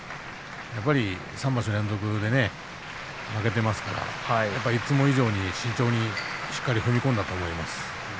やっぱり３場所連続で負けていますからいつも以上に慎重にしっかり踏み込んだと思います。